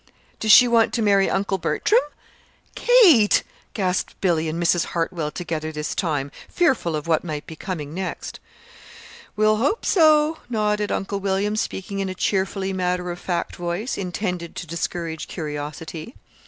"Does she want to marry Uncle Bertram?" "Kate!" gasped Billy and Mrs. Hartwell together this time, fearful of what might be coming next. "We'll hope so," nodded Uncle William, speaking in a cheerfully matter of fact voice, intended to discourage curiosity.